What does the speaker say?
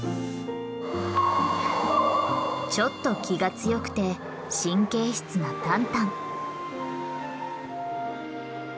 ちょっと気が強くて神経質なタンタン。